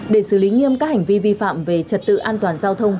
để xử lý nghiêm các hành vi vi phạm về trật tự an toàn giao thông